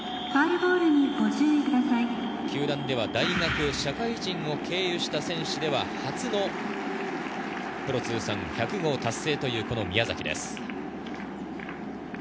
球団では大学・社会人を経由した選手では初のプロ通算１００号達成という宮崎です。